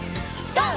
ＧＯ！